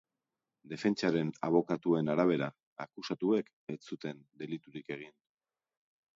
Defentsaren abokatuen arabera, akusatuek ez zuten deliturik egin.